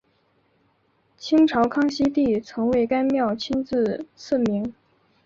清朝康熙帝曾为该庙亲自赐名。